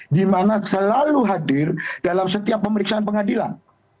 di mana selalu hadir dalam setiap pemeriksaan pengadilan